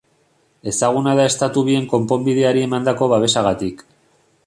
Ezaguna da Estatu bien konponbideari emandako babesagatik.